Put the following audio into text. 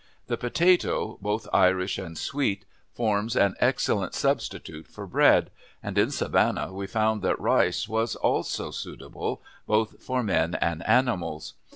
The potato, both Irish and sweet, forms an excellent substitute for bread, and at Savannah we found that rice (was) also suitable, both for men and animals.